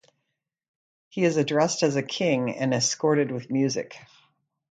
He is addressed as a king and escorted with music.